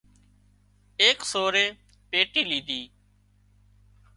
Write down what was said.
ايڪ سورئي پيٽي ليڌي